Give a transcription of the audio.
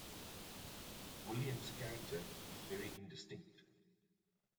William's character is very indistinct.